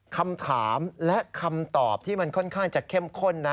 คำถามและคำตอบที่มันค่อนข้างจะเข้มข้นนะ